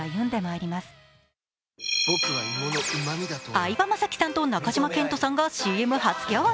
相葉雅紀さんと中島健人さんがＣＭ初競演。